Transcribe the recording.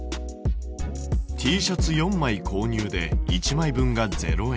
Ｔシャツ４枚購入で１枚分が０円。